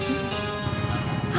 aturan itu apa